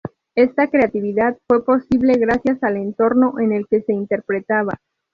Esta creatividad fue posible gracias al entorno en el que se interpretaba.